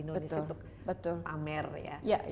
ini sebenarnya kesempatan buat indonesia untuk pamer ya